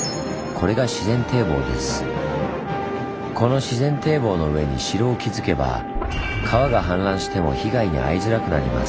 この自然堤防の上に城を築けば川が氾濫しても被害に遭いづらくなります。